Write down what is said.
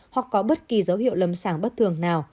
hoặc có bất kỳ dấu hiệu lâm sàng bất thường nào